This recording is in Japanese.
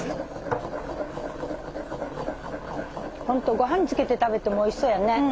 本当ごはんにつけて食べてもおいしそうやね。